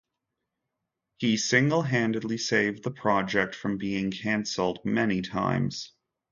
He single-handedly saved the project from being canceled many times.